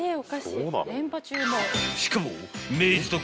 ［しかも］